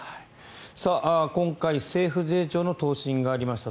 今回政府税調の答申がありました。